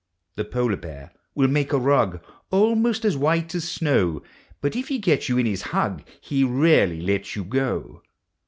The polar bear will make a rug Almost as white as snow; But if he gets you in his hug, He rarely lets you go.